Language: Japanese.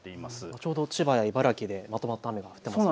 ちょうど千葉や茨城でまとまった雨、降っていますよね。